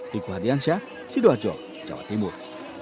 diku hadiansyah sidoarjo jawa timur